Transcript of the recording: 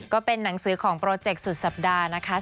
ก็เป็นหนังสือของโปรเจกต์สุดสัปดาห์นะคะ